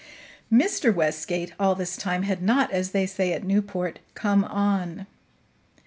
Mr. Westgate all this time had not, as they said at Newport, "come on."